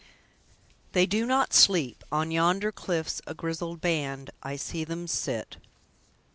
"They do not sleep, On yonder cliffs, a grizzly band, I see them sit."